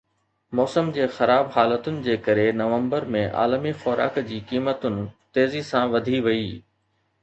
موسم جي خراب حالتن جي ڪري نومبر ۾ عالمي خوراڪ جي قيمتن تيزي سان وڌي وئي